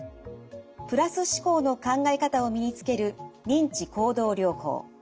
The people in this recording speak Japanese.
プラス思考の考え方を身につける認知行動療法。